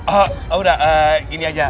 oh udah gini aja